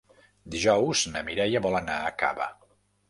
Dijous na Mireia vol anar a Cava.